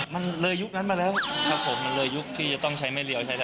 มันเลยยุคนั้นมาแล้วครับผมมันเลยยุคที่จะต้องใช้ไม่เลี้ยวใช้แล้ว